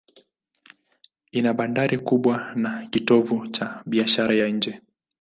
Ina bandari kubwa na ni kitovu cha biashara ya nje.